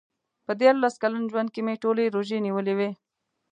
په دیارلس کلن ژوند کې مې ټولې روژې نیولې وې.